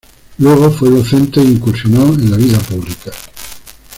Luego fue docente e incursionó en la vida pública.